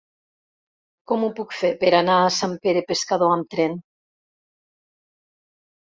Com ho puc fer per anar a Sant Pere Pescador amb tren?